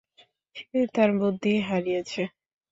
সে তার বুদ্ধি হারিয়েছে।